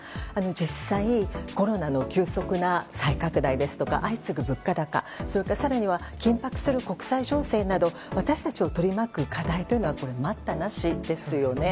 実際、コロナの急速な再拡大や相次ぐ物価高それから更には緊迫する国際情勢など私たちを取り巻く課題というのは待ったなしですよね。